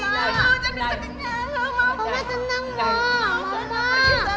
jangan berisik maaf